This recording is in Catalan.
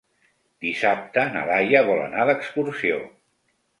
Dissabte na Laia vol anar d'excursió.